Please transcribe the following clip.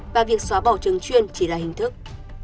và việc xóa bỏ trường chuyên chỉ là hình thức